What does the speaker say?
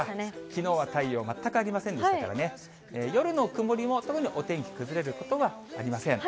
きのうは太陽、全くありませんでしたからね、夜の曇りも特にお天気崩れることはありません。